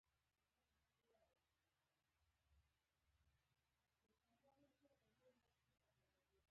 زه نه غواړم، چې د دوی د مرمۍ ښکار شم.